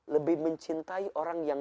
lebih mencintai orang yang